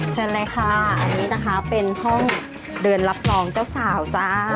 เชิญเลยค่ะอันนี้นะคะเป็นห้องเดินรับรองเจ้าสาวจ้า